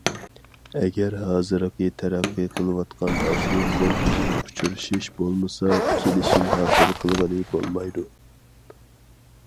ئەگەر ھازىرقى تەرەققىي قىلىۋاتقان ئاشۇ مۇنتىزىم ئۇچرىشىش بولمىسا، كېلىشىم ھاسىل قىلغىلى بولمايدۇ.